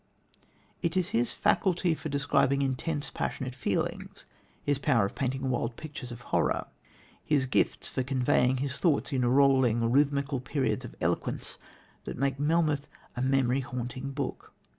It is his faculty for describing intense, passionate feeling, his power of painting wild pictures of horror, his gifts for conveying his thoughts in rolling, rhythmical periods of eloquence, that make Melmoth a memory haunting book.